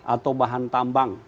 atau bahan tambang